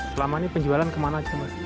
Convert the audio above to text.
selama ini penjualan ke mana